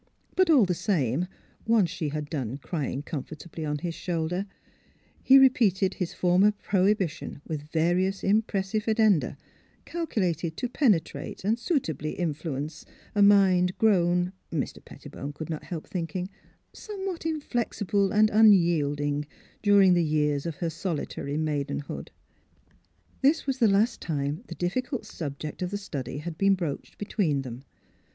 But, all the same — once she had done crying comfortably on his shoulder — ^he repeated his former prohibi tion, with various impressive addenda, calculated to penetrate and suitably influence a mind grown (Mr. Pettibone could not heljD thinking) somewhat inflexible and unyielding during the years of her solitary maidenhood. This was the last time the difficult subject of the study had been broached between them.